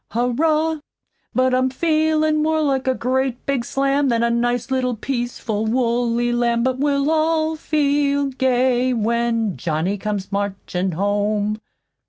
Hurrah! But I'm feelin' more like a great big slam Than a nice little peaceful woolly lamb, But we'll all feel gay when Johnny comes marchin' home."